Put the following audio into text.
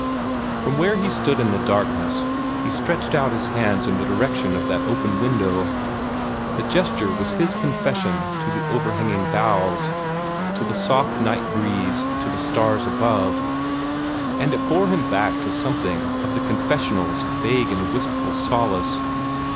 From where he stood in the darkness he stretched out his hands in the direction of that open window. The gesture was his confession to the overhanging boughs, to the soft night breeze, to the stars above and it bore back to him something of the confessional's vague and wistful solace.